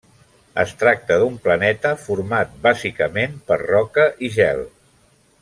Es tracta d'un planeta format bàsicament per roca i gel.